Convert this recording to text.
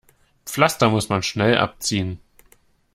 Pflaster muss man schnell abziehen.